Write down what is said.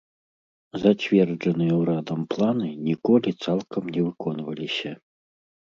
Зацверджаныя ўрадам планы ніколі цалкам не выконваліся.